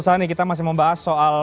saat ini kita masih membahas soal